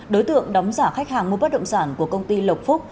đối tượng đóng giả khách hàng mua bất động sản của công ty lộc phúc